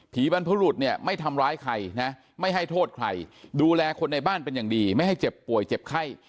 บรรพรุษเนี่ยไม่ทำร้ายใครนะไม่ให้โทษใครดูแลคนในบ้านเป็นอย่างดีไม่ให้เจ็บป่วยเจ็บไข้